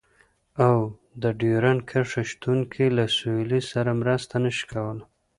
او د ډيورنډ کرښې شتون کې له سولې سره مرسته نشي کولای.